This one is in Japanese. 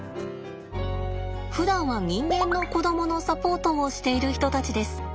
ふだんは人間の子供のサポートをしている人たちです。